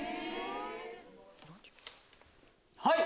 はい！